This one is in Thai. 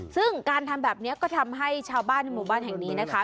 ซึ่งการทำแบบนี้ก็ทำให้ชาวบ้านในหมู่บ้านแห่งนี้นะคะ